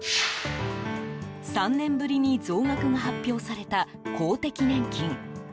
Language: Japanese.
３年ぶりに増額が発表された公的年金。